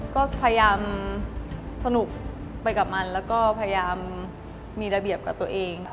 ก็พยายามสนุกไปกับมันแล้วก็พยายามมีระเบียบกับตัวเอง